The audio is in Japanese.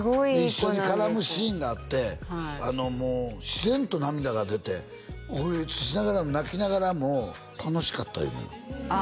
一緒に絡むシーンがあってもう自然と涙が出ておえつしながら泣きながらも楽しかった言うねんああ